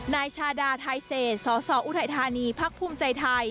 นายชาดาไทเศษสสออุทัยธานีพักภูมิใจไทย